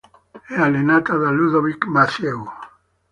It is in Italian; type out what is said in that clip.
È allenata da Ludovic Mathieu.